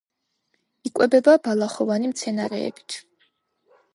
იკვებება ბალახოვანი მცენარეებით.